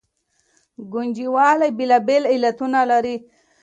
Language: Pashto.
ګنجوالي بېلابېل علتونه لري.